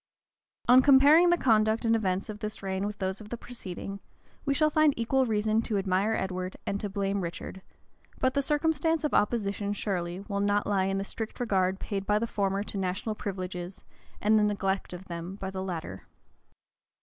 On comparing the conduct and events of this reign with those of the preceding, we shall find equal reason to admire Edward and to blame Richard; but the circumstance of opposition, surely, will not lie in the strict regard paid by the former to national privileges, and the neglect of them by the latter.